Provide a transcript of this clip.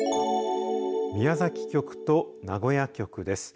宮崎局と名古屋局です。